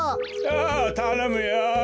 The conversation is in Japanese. ああたのむよ。